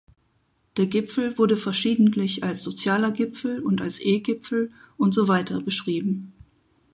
Der Gipfel wurde verschiedentlich als sozialer Gipfel und als E-Gipfel und so weiter beschrieben.